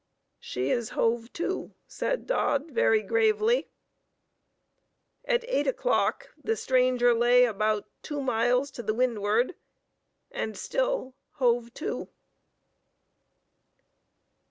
"She is hove to," said Dodd, very gravely. At eight o'clock, the stranger lay about two miles to windward; and still hove to.